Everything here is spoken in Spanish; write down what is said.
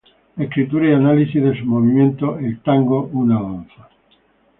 Escritura y análisis de sus movimientos" "El tango una danza.